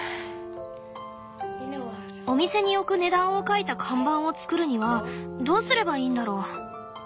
お店に置く値段を書いた看板を作るにはどうすればいいんだろう？